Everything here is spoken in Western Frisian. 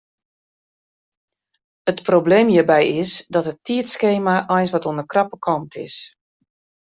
It probleem hjirby is dat it tiidskema eins wat oan de krappe kant is.